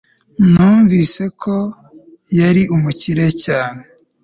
numvise ko yari umukire cyane